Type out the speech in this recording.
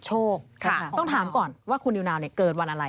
ต้องถามก่อนว่าคุณนิวนาวเกิดวันอะไร